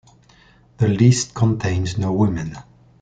The list contains no women.